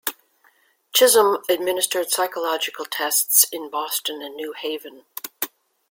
Chisholm administered psychological tests in Boston and New Haven.